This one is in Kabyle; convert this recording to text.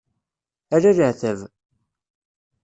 Ala leɛtab.